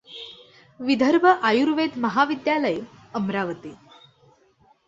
Vidarbha Ayurved Mahavidyalaya, Amravati.